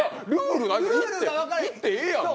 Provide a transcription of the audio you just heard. ルールが、いっていいやん。